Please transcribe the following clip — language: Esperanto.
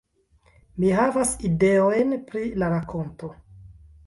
- Mi havas ideojn pri la rakonto